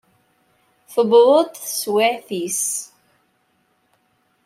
Tewweḍ-d teswiɛt-is.